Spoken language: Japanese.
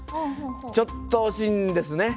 ちょっと惜しいんですね。